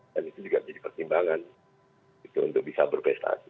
dan itu juga jadi pertimbangan gitu untuk bisa berprestasi